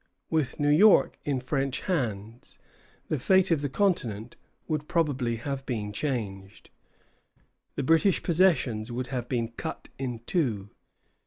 With New York in French hands, the fate of the continent would probably have been changed. The British possessions would have been cut in two.